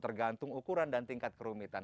tergantung ukuran dan tingkat kerumitan